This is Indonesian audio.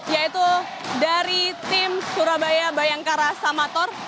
yaitu dari tim surabaya bayangkara samator